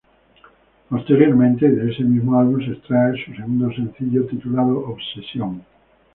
Posteriormente, y de este mismo álbum, se extrae su segundo sencillo titulado "Obsesión".